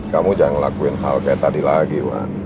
kamu jangan lakuin hal kayak tadi lagi